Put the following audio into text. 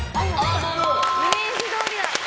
○！イメージどおりだ！